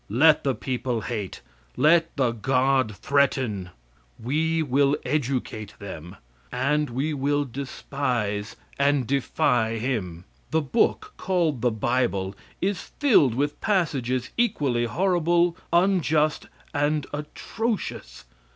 Let the people hate, let the god threaten we will educate them, and we will despise and defy him. The book, called the bible, is filled with passages equally horrible, unjust and atrocious.